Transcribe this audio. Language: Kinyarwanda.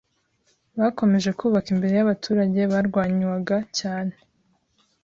Bakomeje kubaka imbere y’abaturage barwanywaga cyane